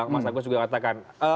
mas agus juga katakan